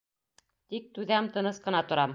Тик түҙәм, тыныс ҡына торам.